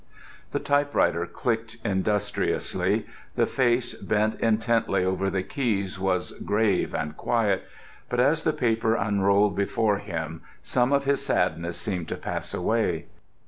The typewriter clicked industriously. The face bent intently over the keys was grave and quiet, but as the paper unrolled before him some of his sadness seemed to pass away.